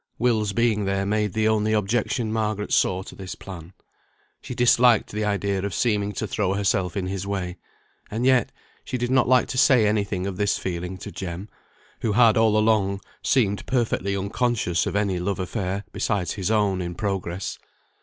Will's being there made the only objection Margaret saw to this plan. She disliked the idea of seeming to throw herself in his way; and yet she did not like to say any thing of this feeling to Jem, who had all along seemed perfectly unconscious of any love affair, besides his own, in progress.